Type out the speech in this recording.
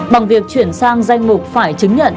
bằng việc chuyển sang danh mục phải chứng nhận